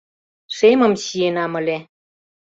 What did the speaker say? Шемым чиенам ыле.